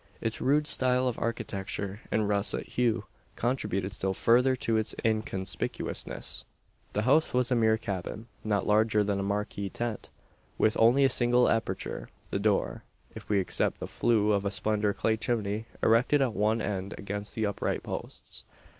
Its rude style of architecture, and russet hue, contributed still further to its inconspicuousness. The house was a mere cabin not larger than a marquee tent with only a single aperture, the door if we except the flue of a slender clay chimney, erected at one end against the upright posts.